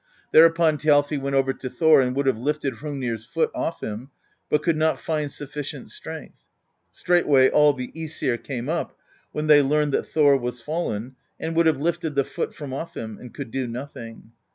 Thereupon Thjalfi went over to Thor and would have lifted Hrungnir's foot off him, but could not find suflicient strength. Straight way all the i^sir came up, when they learned that Thor was fallen, and would have lifted the foot from off him, and could do nothing.